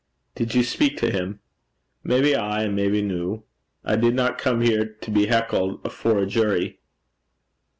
'Did you speak to him?' 'Maybe ay, an' maybe no. I didna come here to be hecklet afore a jury.'